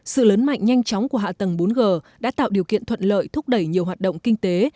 sự lớn mạnh nhanh chóng của hạ tầng bốn g đã tạo điều kiện thuận lợi thúc đẩy nhiều hoạt động kinh tế